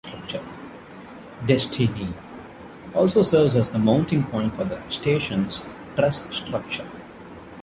"Destiny" also serves as the mounting point for the station's Truss Structure.